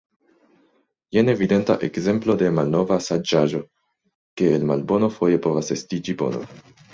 Jen evidenta ekzemplo de malnova saĝaĵo, ke el malbono foje povas estiĝi bono.